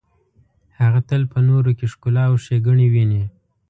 هغه تل په نورو کې ښکلا او ښیګڼې ویني.